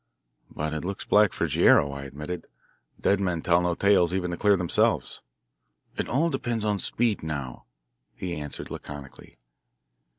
"But it looks black for Guerrero," I admitted. "Dead men tell no tales even to clear themselves." "It all depends on speed now," he answered laconically.